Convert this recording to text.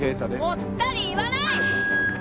「もったり言わない！」